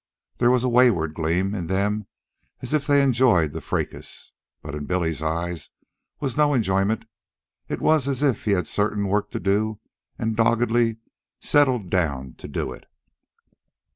There was a wayward gleam in them, as if they enjoyed the fracas. But in Billy's eyes was no enjoyment. It was as if he had certain work to do and had doggedly settled down to do it.